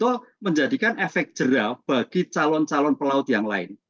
itu menjadikan efek jerah bagi calon calon pelaut yang lain